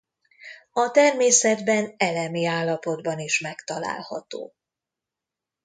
A természetben elemi állapotban is megtalálható.